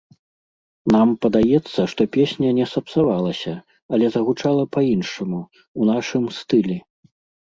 Нам падаецца, што песня не сапсавалася, але загучала па-іншаму, у нашым стылі.